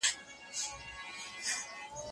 زما د نیکه ستا د ابا دا نازولی وطن